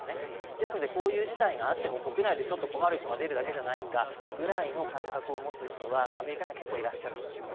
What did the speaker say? ですのでこういう事態があっても国内でちょっと困る人が出るくらいじゃないかという感覚を持つ人は、アメリカには結構いらっしゃると思います。